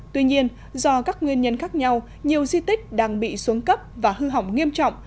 tuy nhiên do các nguyên nhân khác nhau nhiều di tích đang bị xuống cấp và hư hỏng nghiêm trọng